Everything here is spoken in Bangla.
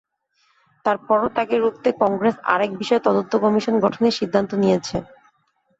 তার পরও তাঁকে রুখতে কংগ্রেস আরেক বিষয়ে তদন্ত কমিশন গঠনের সিদ্ধান্ত নিয়েছে।